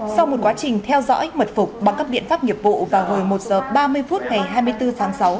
sau một quá trình theo dõi mật phục bằng các biện pháp nghiệp vụ vào hồi một h ba mươi phút ngày hai mươi bốn tháng sáu